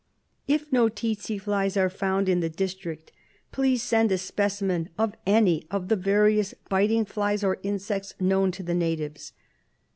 "If no tsetse flies are found in the district, please send a specimen of any of the various biting flies or insects known to the natives."